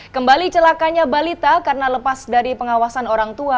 kembali celakanya balita karena lepas dari pengawasan orang tua